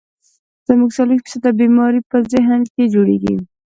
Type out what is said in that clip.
زمونږ څلوېښت فيصده بيمارۍ پۀ ذهن کښې جوړيږي